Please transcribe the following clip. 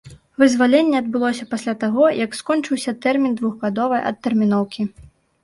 Вызваленне адбылося пасля таго, як скончыўся тэрмін двухгадовай адтэрміноўкі.